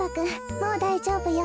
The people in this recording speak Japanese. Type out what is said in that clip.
もうだいじょうぶよ。